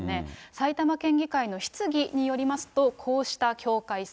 埼玉県議会の質疑によりますと、こうした境界線。